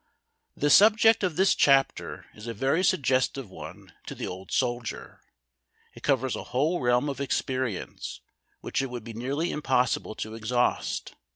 PIE subject of this chapter is a very suo o estive one to the old soldier. It covers a whole realm of experience which it would be nearly impossible to exhaust.